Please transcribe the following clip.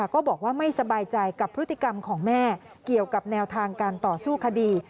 ก็บอกว่าไม่สบายใจกับพฤติกรรมของแม่เกี่ยวกับแนวทางการต่อสู้คดี